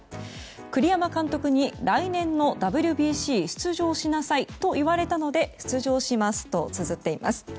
栗山監督に来年のＷＢＣ出場しなさいと言われたので出場しますとつづっています。